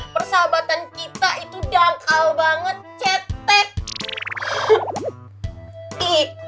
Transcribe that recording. persahabatan kita itu dangkal banget cetek